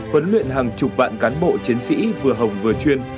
huấn luyện hàng chục vạn cán bộ chiến sĩ vừa hồng vừa chuyên